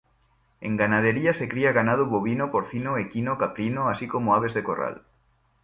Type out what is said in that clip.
En ganadería se cría ganado bovino, porcino, equino, caprino, así como aves de corral.